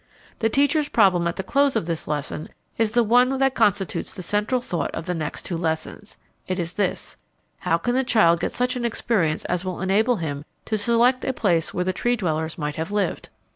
The teacher's problem at the close of this lesson is the one that constitutes the central thought of the next two lessons. It is this: How can the child get such an experience as will enable him to select a place where the Tree dwellers might have lived?